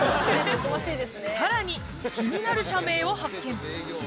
さらに気になる社名を発見